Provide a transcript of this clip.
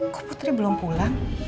kok putri belum pulang